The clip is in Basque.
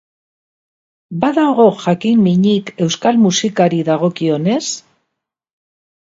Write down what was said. Badago jakin-minik euskal musikari dagokionez?